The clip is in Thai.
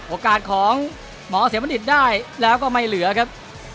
โอกาสของหมอเสมัณฑิตได้แล้วก็ไม่เหลือครับ